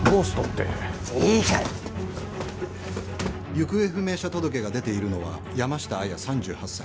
行方不明者届が出ているのは山下彩矢３８歳。